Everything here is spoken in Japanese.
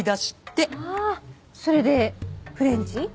ああそれでフレンチ？